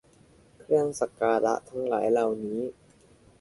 เครื่องสักการะทั้งหลายเหล่านี้